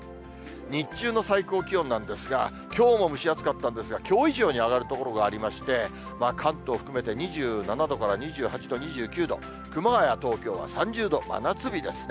日中の最高気温なんですが、きょうも蒸し暑かったんですが、きょう以上に上がる所がありまして、関東含めて、２７度から２８度、２９度、熊谷、東京は３０度、真夏日ですね。